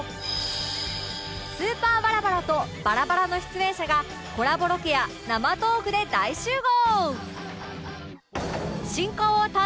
スーパーバラバラとバラバラの出演者がコラボロケや生トークで大集合